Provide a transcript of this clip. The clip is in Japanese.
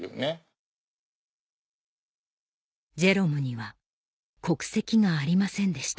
ジェロムには国籍がありませんでした